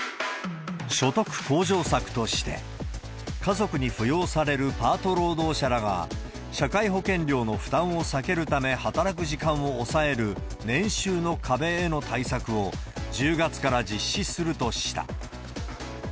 所得向上策として、家族に扶養されるパート労働者らが、社会保険料の負担を避けるため働く時間を抑える、年収の壁への対策を、１０月から実施するとした。